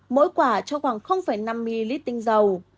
mỗi quả cho khoảng năm ml tinh dầu